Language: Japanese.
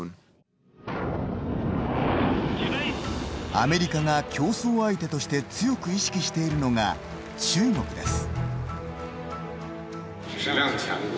アメリカが競争相手として強く意識しているのが中国です。